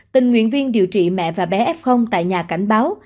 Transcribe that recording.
tình nguyện viên điều trị mẹ và bé f tại nhà cảnh báo